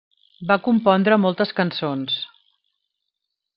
Va compondre moltes cançons.